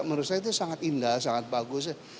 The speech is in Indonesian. menurut saya itu sangat indah sangat bagus ya